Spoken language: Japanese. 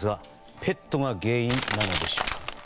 ペットが原因なのでしょうか。